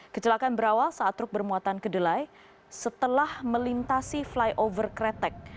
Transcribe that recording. kecelakaan berawal saat truk bermuatan kedelai setelah melintasi flyover kretek